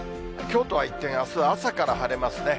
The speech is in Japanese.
きょうとは一転、あす朝から晴れますね。